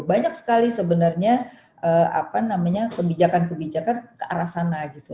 banyak sekali sebenarnya apa namanya kebijakan kebijakan ke arah sana gitu